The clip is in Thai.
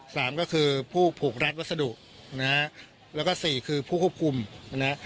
สามก็คือผู้ผูกรัดวัสดุนะฮะแล้วก็สี่คือผู้ควบคุมนะฮะ